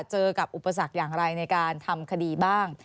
เจอกับอุปสรรคอย่างไรในการทำคดีบ้าง